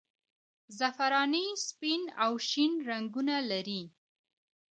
زعفراني سپین او شین رنګونه لري.